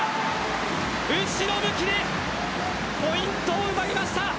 後ろ向きでポイントを奪いました。